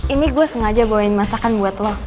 ini gue sengaja bawain masakan buat lo